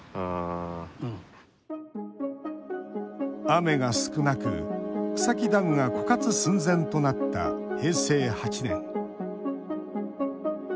雨が少なく、草木ダムが枯渇寸前となった平成８年。